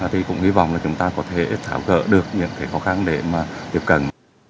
thì cũng hy vọng chúng ta có thể thảo gỡ được những khó khăn để tiếp cận